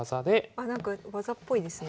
あなんか技っぽいですね。